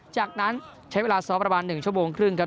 จากนั้นใช้เวลาซ้อมประมาณ๑ชั่วโมงครึ่งครับ